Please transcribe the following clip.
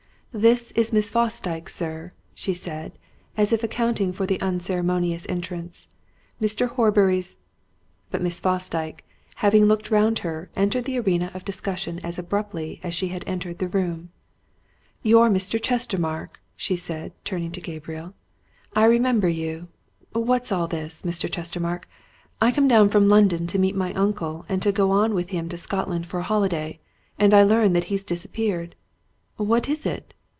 "This is Miss Fosdyke, sir," she said, as if accounting for the unceremonious entrance. "Mr. Horbury's " But Miss Fosdyke, having looked round her, entered the arena of discussion as abruptly as she had entered the room. "You're Mr. Chestermarke!" she said, turning to Gabriel. "I remember you. What's all this, Mr. Chestermarke? I come down from London to meet my uncle, and to go on with him to Scotland for a holiday, and I learn that he's disappeared! What is it?